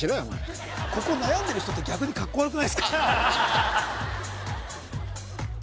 ここ悩んでる人って逆にかっこ悪くないすか？